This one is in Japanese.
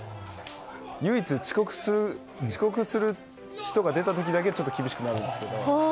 唯一、遅刻する人が出た時だけはちょっと厳しくなるんですけど。